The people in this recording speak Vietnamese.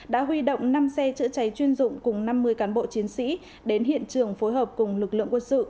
đã huy động năm xe chữa cháy chuyên dụng cùng năm mươi cán bộ chiến sĩ đến hiện trường phối hợp cùng lực lượng quân sự